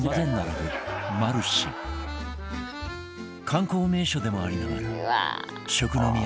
観光名所でもありながら食の都